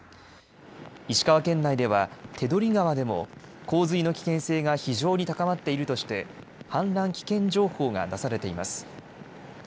石川県内では手取川でも洪水の危険性が非常に高まっているとして氾濫危険情報が出されています。